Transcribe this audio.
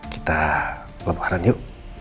kita lebaran yuk